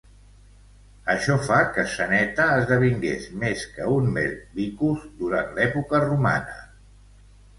Això fa que Ceneta esdevingués més que un mer "vicus" durant l'època romana.